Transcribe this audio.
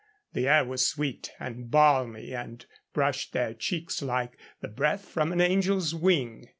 The air was sweet and balmy and brushed their cheeks like the breath from an angel's wing.